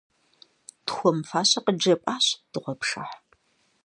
Тхуэмыфащэ къыджепӀащ дыгъуэпшыхь.